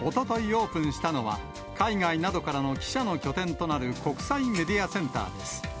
オープンしたのは、海外などからの記者の拠点となる国際メディアセンターです。